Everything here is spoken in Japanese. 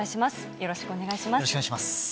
よろしくお願いします。